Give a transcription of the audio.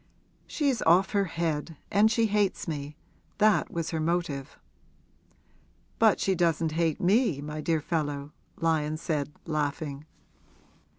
'She's off her head and she hates me; that was her motive.' 'But she doesn't hate me, my dear fellow!' Lyon said, laughing.